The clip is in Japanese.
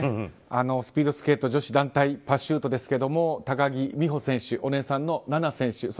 スピードスケート女子団体パシュートですけど高木美帆選手お姉さんの菜那選手